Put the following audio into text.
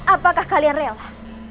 apakah kalian rela